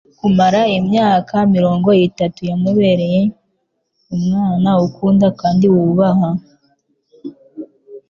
Kumara imyaka mirongo itatu yamubereye umwana ukunda kandi wubaha,